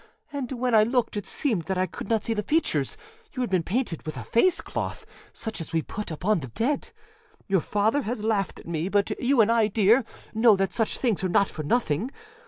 And when I looked it seemed that I could not see the features; you had been painted with a face cloth, such as we put upon the dead. Your father has laughed at me, but you and I, dear, know that such things are not for nothing.